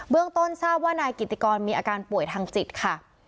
ต้นทราบว่านายกิติกรมีอาการป่วยทางจิตค่ะ